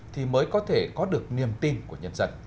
thì mới có thể có được niềm tin của nhân dân